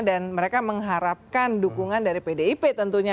dan mereka mengharapkan dukungan dari pdip tentunya